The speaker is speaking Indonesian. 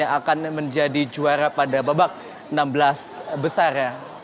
yang akan menjadi juara pada babak enam belas besar